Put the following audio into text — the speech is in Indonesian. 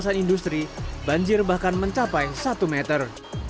kawasan industri banjir bahkan mencapai satu meter